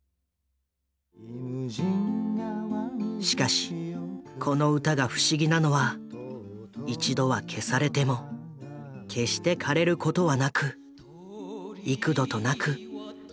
しかしこの歌が不思議なのは一度は消されても決してかれることはなく幾度となく復活を遂げたことだ。